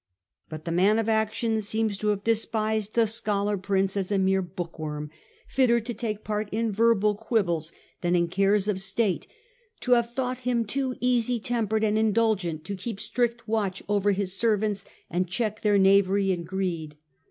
But the man of action seems to have despised the scholar prince as a mere bookworm, fitter to take part in verbal quibbles than in cares of state, to have The con thought him too easy tempered and indulgent to keep strict watch over his servants and Avidius check their knavery and greed.